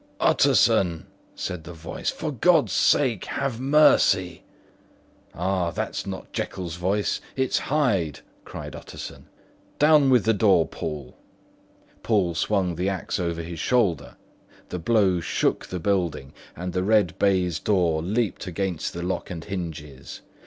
"Utterson," said the voice, "for God's sake, have mercy!" "Ah, that's not Jekyll's voice—it's Hyde's!" cried Utterson. "Down with the door, Poole!" Poole swung the axe over his shoulder; the blow shook the building, and the red baize door leaped against the lock and hinges.